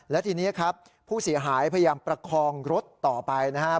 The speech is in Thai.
และทีนี้ครับผู้เสียหายพยายามประคองรถต่อไปนะครับ